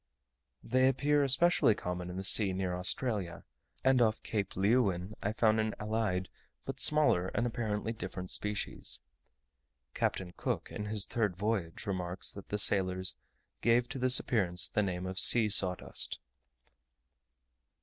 They appear especially common in the sea near Australia; and off Cape Leeuwin I found an allied but smaller and apparently different species. Captain Cook, in his third voyage, remarks, that the sailors gave to this appearance the name of sea sawdust.